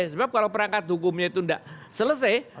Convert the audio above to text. sebab kalau perangkat hukumnya itu tidak selesai